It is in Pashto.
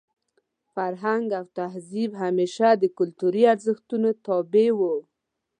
فرهنګ او تهذیب همېشه د کلتوري ارزښتونو تابع وو.